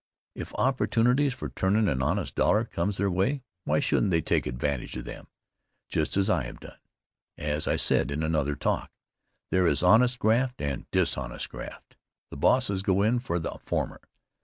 If opportunities for turnin' an honest dollar comes their 'way, why shouldn't they take advantage of them, just as I have done? As I said, in another talk, there is honest graft and dishonest graft. The bosses go in for the former.